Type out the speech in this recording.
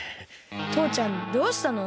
とうちゃんどうしたの？